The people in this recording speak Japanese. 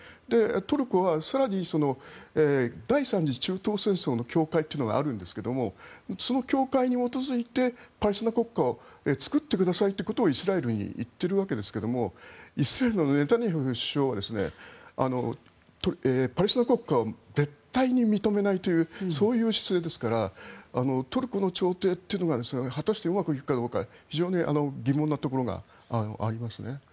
トルコは更に第３次中東戦争の境界というのがあるんですがその境界に基づいてパレスチナ国家を作ってくださいということをイスラエルに言っているわけですがイスラエルのネタニヤフ首相はパレスチナ国家を絶対に認めないというそういう姿勢ですからトルコの調停というのが果たしてうまくいくのかどうか非常に疑問なところがありますね。